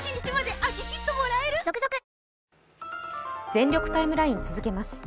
「全力ＴＩＭＥライン」続けます。